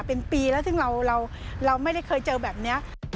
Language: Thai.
เป็นปีแล้วซึ่งเราไม่ได้เคยเจอแบบนี้